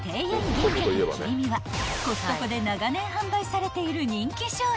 銀鮭切身はコストコで長年販売されている人気商品］